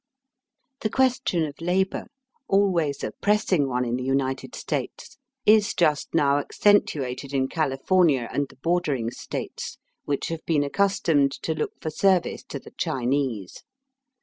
The question of labour, always a pressing one in the United States, is just now accentuated in California and the bordering States whioli have been accustomed to look for service to the Chinese.